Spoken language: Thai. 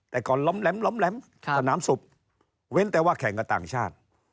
แต่ก่อนล้อมแหลมสนามศุกร์เว้นแต่ว่าแข่งกับต่างชาติ